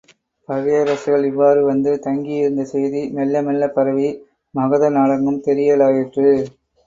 பகையரசர்கள் இவ்வாறு வந்து தங்கியிருந்த செய்தி மெல்ல மெல்லப் பரவி, மகத நாடெங்கும் தெரியலாயிற்று.